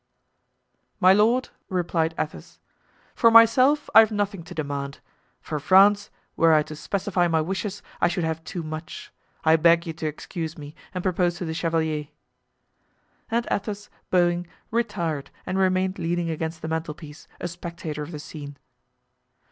"My lord," replied Athos, "for myself I have nothing to demand. For France, were I to specify my wishes, I should have too much. I beg you to excuse me and propose to the chevalier." And Athos, bowing, retired and remained leaning against the mantelpiece, a spectator of the scene.